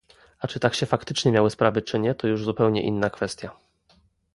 A czy tak się faktycznie miały sprawy czy nie, to już zupełnie inna kwestia